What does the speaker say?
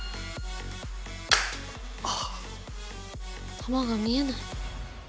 弾が見えない。